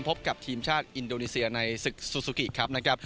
พบกับทีมชาติอินโดนีเซียในศึกซูซูกิครับนะครับ